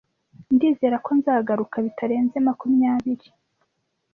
Ndizera ko nzagaruka bitarenze makumya biri.